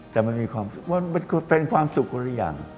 แต่มันมีความสุขว่ามันเป็นความสุขกันหรือยัง